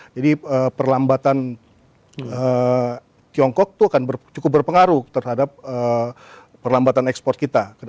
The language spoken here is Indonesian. jadi perlambatan tiongkok itu akan cukup berpengaruh terhadap perlambatan ekspor kita